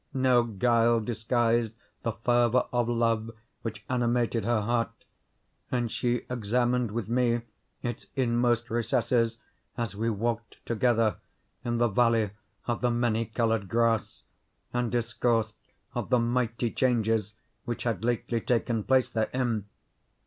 No guile disguised the fervor of love which animated her heart, and she examined with me its inmost recesses as we walked together in the Valley of the Many Colored Grass, and discoursed of the mighty changes which had lately taken place therein.